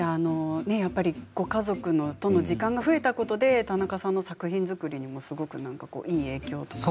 ご家族との時間が増えたことで田中さんの作品作りにもすごくいい影響とか？